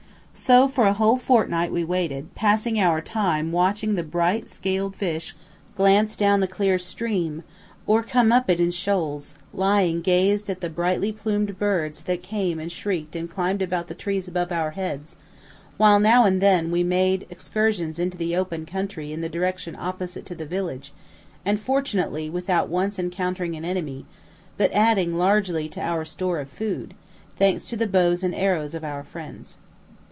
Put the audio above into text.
So for a whole fortnight we waited, passing our time watching the bright scaled fish glance down the clear stream, or come up it in shoals; lying gazing at the brightly plumed birds that came and shrieked and climbed about the trees above our heads; while now and then we made cautious excursions into the open country in the direction opposite to the village, and fortunately without once encountering an enemy, but adding largely to our store of food, thanks to the bows and arrows of our friends.